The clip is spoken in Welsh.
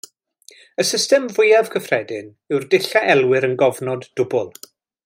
Y system fwyaf cyffredin yw'r dull a elwir yn gofnod dwbl.